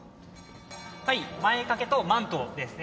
はい前掛けとマントですね。